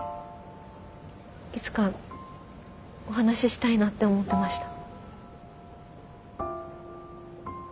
いつかお話ししたいなって思ってました。